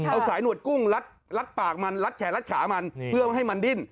เอาสายหนวดกุ้งลัดปากมันลัดแขนรัดขามันเพื่อไม่ให้มันดิ้น